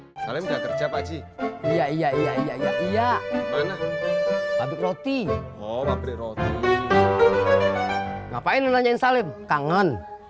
hai salam kerja pakcik iya iya iya iya iya iya roti roti ngapain nanyain salib kangen